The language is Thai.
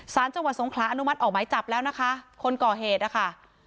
สารจังหวัดสงขลาอนุมัติออกหมายจับแล้วนะคะคนก่อเหตุนะคะ